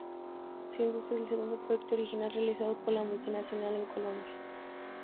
Siendo este el segundo proyecto original realizado por la multinacional en Colombia.